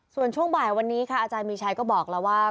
ส่วนช่วงบ่ายวันนี้ค่ะอาจารย์มีชัยก็บอกแล้วว่า